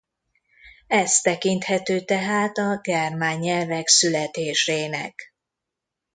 Ez tekinthető tehát a germán nyelvek születésének.